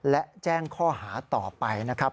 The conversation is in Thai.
และแจ้งข้อหาต่อไปนะครับ